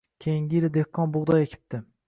Keyingi yili dehqon bug’doy ekibdi